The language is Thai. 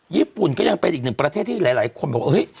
ญี่ปุ่นก็ยังเป็นอีกหนึ่งประเทศที่หลายคนบอกเฮ้ย